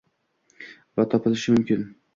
va toptalishi mumkin.